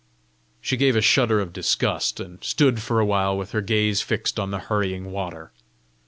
She gave a shudder of disgust, and stood for a while with her gaze fixed on the hurrying water.